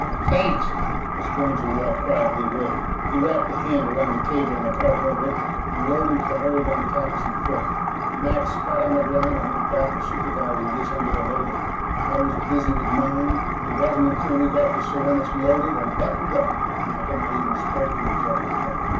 "Thanks." The stranger walked quietly away. He wrapped a hand around the cable on a cargo hook and rode into the hold on top of some freight. Mac spat on the ground and went back to supervising his end of the loading. I was busy with mine, and it wasn't until we'd gotten the Serenus loaded and buttoned up that Mac and I even spoke to each other again.